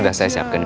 papa terluka ndil